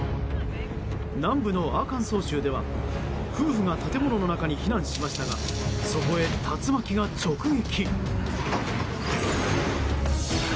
南部のアーカンソー州では夫婦が建物の中に避難しましたがそこへ竜巻が直撃。